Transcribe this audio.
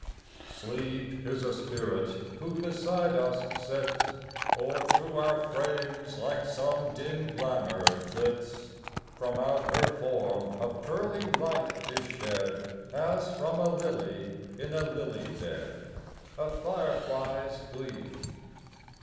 Sleep is a spirit, who beside us sits, Or through our frames like some dim glamour flits; From out her form a pearly light is shed, As from a lily, in a lily bed, A firefly's gleam.